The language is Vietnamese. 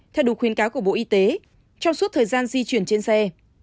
theo đúng khuyến cáo của bộ y tế trong suốt thời gian di chuyển trên xe